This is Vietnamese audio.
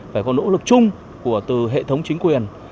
phải có nỗ lực chung từ hệ thống chính quyền